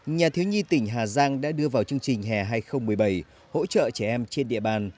nhà thiếu nhi tỉnh hà giang đã đưa vào chương trình hè hai nghìn một mươi bảy hỗ trợ trẻ em trên địa bàn